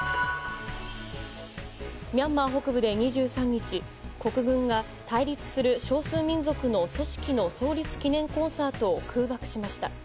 ミャンマー北部で２３日、国軍が対立する少数民族の組織の創立記念コンサートを空爆しました。